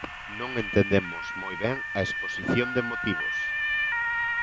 Non entendemos moi ben a exposición de motivos.